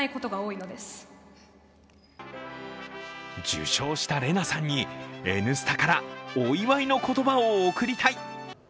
受賞したレナさんに「Ｎスタ」からお祝いの言葉を贈りたい！